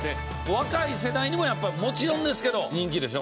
若い世代にもやっぱりもちろんですけど人気でしょ？